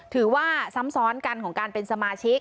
ถือว่าซำซ้อนกันของการเป็นสมาชิก